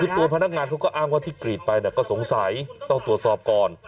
คือตัวพนักงานเขาก็อ้างว่าที่กรีดไปก็สงสัยต้องตรวจสอบก่อน